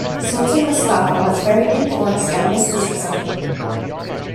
Sultan Mustafa was very influenced by mysticism.